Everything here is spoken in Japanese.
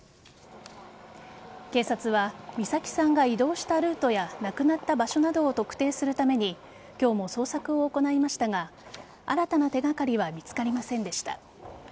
警察は美咲さんが移動したルートや亡くなった場所などを特定するために今日も捜索を行いましたが新たな手がかりは見つかりませんでした。